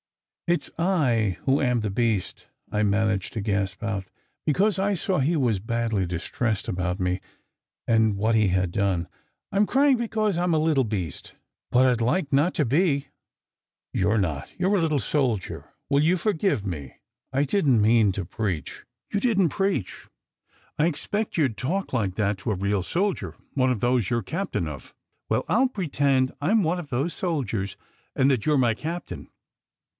"It s I who am the beast," I managed to gasp out, be cause I saw he was badly distressed about me, and what he had done. "I m crying because I m a little beast. But I d like not to be." " You re not. You re a little soldier. Will you forgive me ? I didn t mean to preach." 24 SECRET HISTORY "You didn t preach. I expect you d talk like that to a real soldier one of those you re captain of. Well, I ll pre tend I m one of those soldiers, and that you re my cap tain."